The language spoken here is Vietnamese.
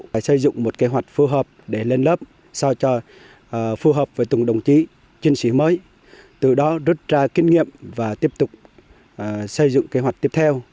tôi sẽ sử dụng một kế hoạch phù hợp để lên lớp phù hợp với từng đồng chí chuyên sĩ mới từ đó rút ra kinh nghiệm và tiếp tục sử dụng kế hoạch tiếp theo